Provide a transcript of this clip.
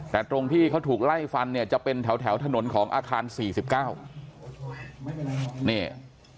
แต่ตรงที่เขาถูกไล่ฟันเนี่ยจะเป็นแถวถนนของอาคาร๔๙นี่